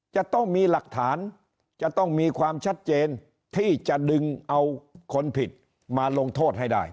จะต้องมีหลักฐานจะต้องมีความชัดเจนที่จะดึงเอาคนผิดมาลงโทษให้ได้